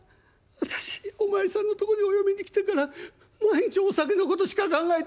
私お前さんのとこにお嫁に来てから毎日お酒のことしか考えてない。